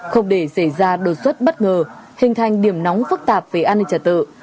không để xảy ra đột xuất bất ngờ hình thành điểm nóng phức tạp về an ninh trả tự